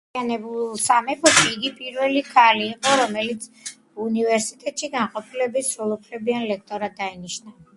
გაერთიანებულ სამეფოში, იგი პირველი ქალი იყო, რომელიც უნივერსიტეტში განყოფილების სრულუფლებიან ლექტორად დაინიშნა.